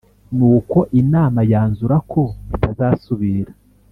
nuko inama yanzura ko bitazasubira